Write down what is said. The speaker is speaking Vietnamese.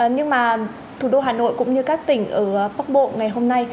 nhưng mà thủ đô hà nội cũng như các tỉnh ở bắc bộ ngày hôm nay